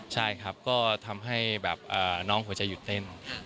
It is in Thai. ใช่ครับก็ทำให้แบบน้องหัวใจหยุดเต้น